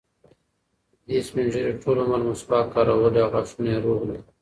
دې سپین ږیري ټول عمر مسواک کارولی او غاښونه یې روغ دي.